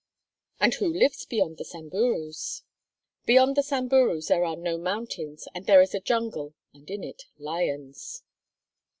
"And who lives beyond the Samburus?" "Beyond the Samburus there are no mountains, and there is a jungle, and in it lions."